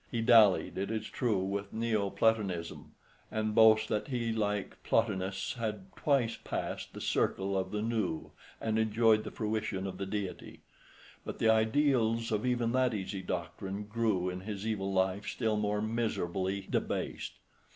He dallied, it is true, with Neo Platonism, and boasts that he, like Plotinus, had twice passed the circle of the nous and enjoyed the fruition of the deity; but the ideals of even that easy doctrine grew in his evil life still more miserably debased.